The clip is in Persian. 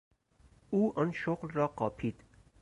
او آن شغل را قاپید.